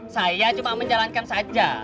saya cuma menjalankan saja